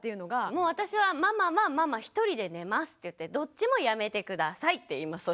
もう私は「ママはママ１人で寝ます」って言って「どっちもやめて下さい」って言いますそうしたら。